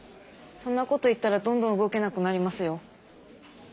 そんなこと言ったらどんどん動けなくなりますよ。